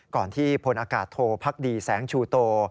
ก่อนที่พลอากาศโทพักดีแสงชูโต